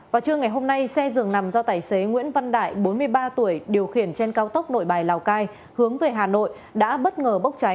vào trưa ngày hôm nay xe dường nằm do tài xế nguyễn văn đại bốn mươi ba tuổi điều khiển trên cao tốc nội bài lào cai hướng về hà nội đã bất ngờ bốc cháy